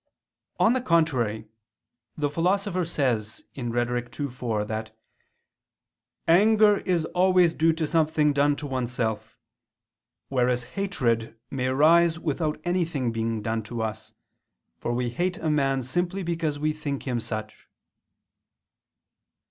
On the contrary, The Philosopher says (Rhet. ii, 4) that "anger is always due to something done to oneself: whereas hatred may arise without anything being done to us, for we hate a man simply because we think him such."